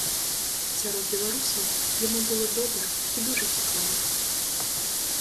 Сярод беларусаў яму было добра і дужа цікава.